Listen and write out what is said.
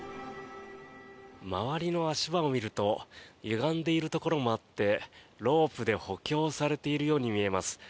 周りの足場を見るとゆがんでいるところもあってロープで補強されているように見えます。